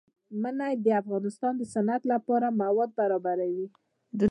منی د افغانستان د صنعت لپاره مواد برابروي.